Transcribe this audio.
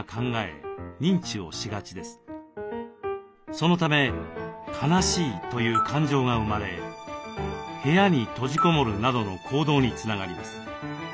そのため「悲しい」という感情が生まれ「部屋に閉じこもる」などの行動につながります。